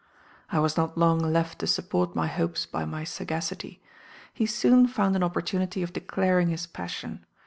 "I was not long left to support my hopes by my sagacity. He soon found an opportunity of declaring his passion.